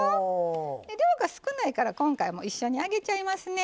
量が少ないから今回一緒に揚げちゃいますね。